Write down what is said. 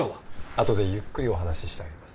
あとでゆっくりお話ししてあげます。